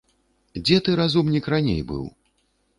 Дзе ты, разумнік, раней быў?